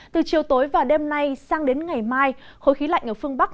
từ chiều tối và đêm nay sang đến ngày mai khối khí lạnh ở phương bắc